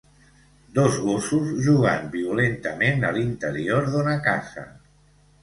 Dos gossos jugant violentament a l'interior d'una casa.